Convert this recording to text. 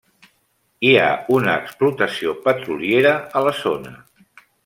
Hi ha una explotació petroliera a la zona.